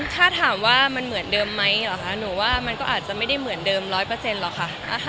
ถ้าถามว่ามันเหมือนเดิมไหมเหรอคะหนูว่ามันก็อาจจะไม่ได้เหมือนเดิมร้อยเปอร์เซ็นหรอกค่ะ